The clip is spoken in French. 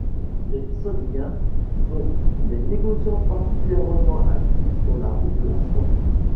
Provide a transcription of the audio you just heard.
Les Sogdiens sont des négociants particulièrement actifs sur la route de la soie.